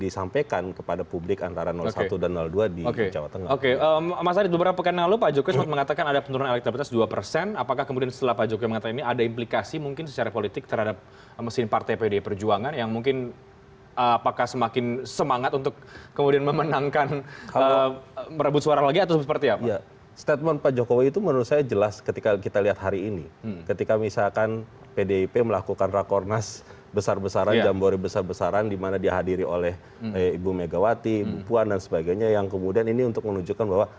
sebelumnya prabowo subianto